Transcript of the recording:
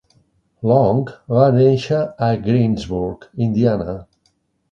Long va néixer a Greensburg, Indiana.